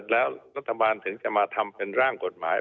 แล้วรัฐบาลถึงจะมาทำเป็นร่างกฎหมาย